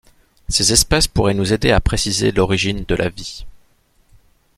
Ces espèces pourraient nous aider à préciser l'origine de la vie.